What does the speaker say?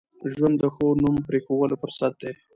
ژوند د ښو نوم پرېښوولو فرصت دی.